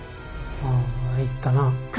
あ言ったな。